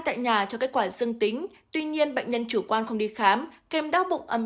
tại nhà cho kết quả dương tính tuy nhiên bệnh nhân chủ quan không đi khám kèm đau bụng ấm